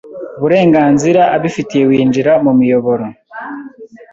burenganzira abifitiye winjira mu miyoboro